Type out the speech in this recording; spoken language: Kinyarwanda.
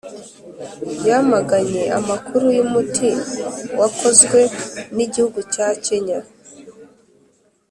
yamaganye amakuru y’umuti wakozwe n’igihugu cya kenya.